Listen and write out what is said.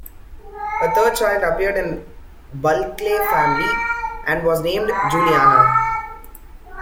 A third child appeared in the Bulkley family and was named Juliana.